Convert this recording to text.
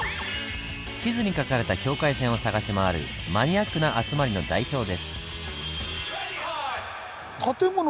地図に描かれた境界線を探し回るマニアックな集まりの代表です。